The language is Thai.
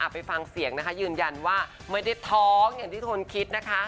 ไปฟังเสียงนะคะยืนยันว่าไม่ได้ท้องอย่างที่ทนคิดนะคะ